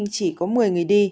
chỉ có một mươi người đi